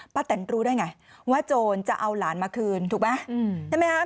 ป้าแตนรู้ได้ไงว่าโจรจะเอาหลานมาคืนถูกไหม